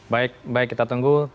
baik baik kita tunggu